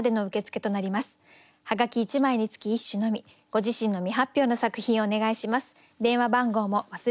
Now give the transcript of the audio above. ご自身の未発表の作品をお願いします。